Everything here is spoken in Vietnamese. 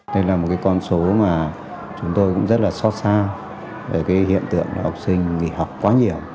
đây là một cái con số mà chúng tôi cũng rất là xót xa về cái hiện tượng học sinh nghỉ học quá nhiều